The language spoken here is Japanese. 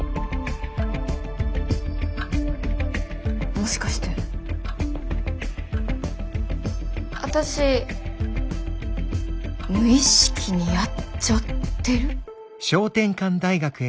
もしかして私無意識にやっちゃってる？